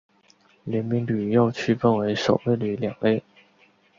联兵旅又区分为守备旅两类。